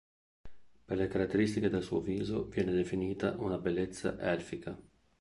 Per le caratteristiche del suo viso viene definita una "bellezza elfica".